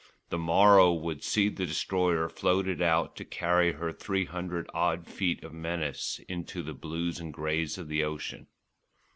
The morrow would see the Destroyer floated out to carry her three hundred odd feet of menace into the blues and greys of the ocean.